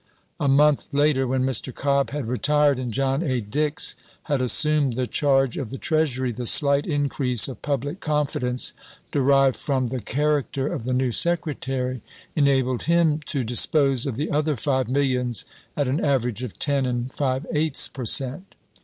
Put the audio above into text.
A month later, when Mr. Cobb had retired and John A. Dix had assumed the charge of the Treasury, the slight increase of public confidence derived from the character of the new Secretary enabled him to dis pose of the other five millions at an average of ten and five eighths per cent.